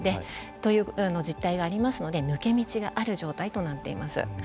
という実態がありますので抜け道がある状態となっています。